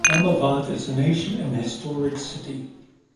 Damavand is an ancient and historic city.